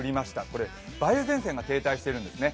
これ、梅雨前線が停滞しているんですね。